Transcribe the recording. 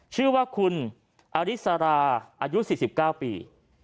ชื่อว่าคุณอริสราอายุ๔๙ปี